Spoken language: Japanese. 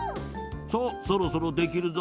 さあそろそろできるぞ。